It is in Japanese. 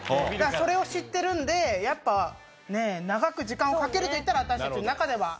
それを知ってるんでやっぱね長く時間をかけるといったら私たちの中では。